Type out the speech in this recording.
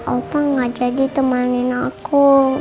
opa gak jadi temanin aku